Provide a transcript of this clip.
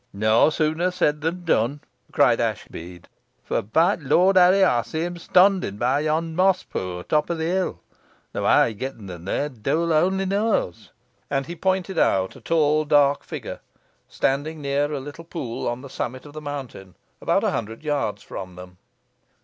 "Noa sooner said than done," cried Ashbead, "for, be t' Lort Harry, ey see him stonding be yon moss poo' o' top t' hill, though how he'n getten theer t' Dule owny knoas." And he pointed out a tall dark figure standing near a little pool on the summit of the mountain, about a hundred yards from them.